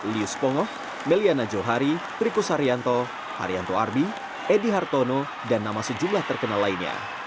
lius pongoh meliana johari trikus haryanto haryanto arbi edi hartono dan nama sejumlah terkenal lainnya